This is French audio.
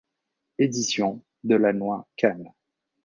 Éditions Delannoy - Cannes.